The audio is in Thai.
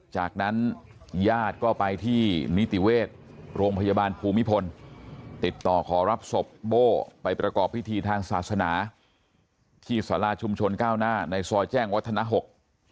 จากนั้นญาติก็ไปที่นิติเวชโรงพยาบาลภูมิพลติดต่อขอรับศพโบ้ไปประกอบพิธีทางศาสนาที่สาราชุมชนก้าวหน้าในซอยแจ้งวัฒนหก